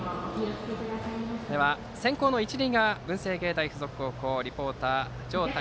では、先攻の一塁側文星芸大付属高校リポーターの条谷